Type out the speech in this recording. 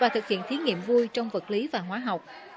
trong vật lý và hóa học